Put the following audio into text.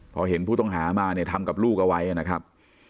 พอเห็นผู้ต้องหามาเนี่ยทำกับลูกเอาไว้นะครับ